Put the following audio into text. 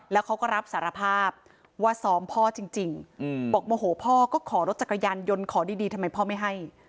แล้วเขาก็รับสารภาพว่าซ้อมพ่อจริงบอกโมโหพ่อก็ขอรถจักรยานยนต์ขอดีทำไมพ่อไม่ให้